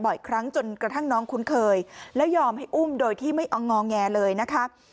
บ่อยครั้งจนกระทั่งน้องคุ้นเคยแล้วยอมให้อุ้มโดยที่ไม่เอางอแงเลยนะคะ